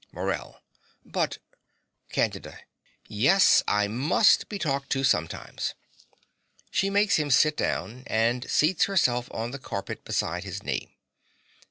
MORELL. But CANDIDA. Yes, I MUST be talked to sometimes. (She makes him sit down, and seats herself on the carpet beside his knee.)